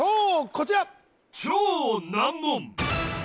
こちら